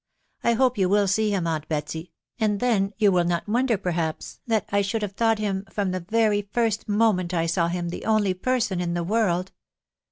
... I hope you will see him, aunt Betsy, and then you will not wonder, perhaps, that I should have thought him, from the very first moment I saw him, the only person in the world